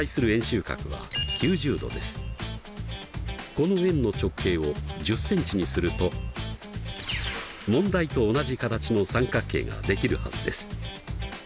この円の直径を１０ｃｍにすると問題と同じ形の三角形ができるはずです。